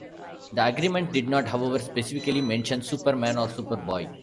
The agreement did not, however, specifically mention Superman or Superboy.